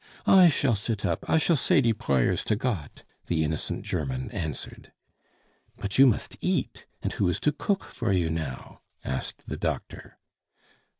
"I shall sit up; I shall say die prayers to Gott," the innocent German answered. "But you must eat and who is to cook for you now?" asked the doctor.